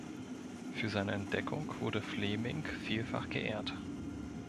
Für seine Entdeckung wurde Fleming vielfach geehrt.